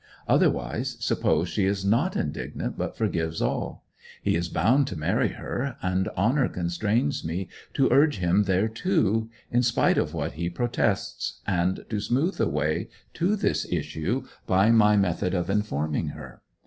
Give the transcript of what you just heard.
Otherwise, suppose she is not indignant but forgives all; he is bound to marry her; and honour constrains me to urge him thereto, in spite of what he protests, and to smooth the way to this issue by my method of informing her.